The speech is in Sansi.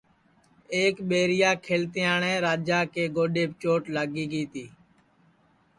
ایک ٻیریا کھلتیاٹؔے راجا کے گوڈؔیپ چوٹ لاگی گی تی